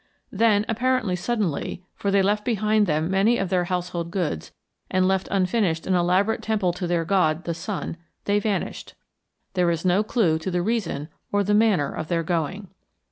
Then, apparently suddenly, for they left behind them many of their household goods, and left unfinished an elaborate temple to their god, the sun, they vanished. There is no clew to the reason or the manner of their going.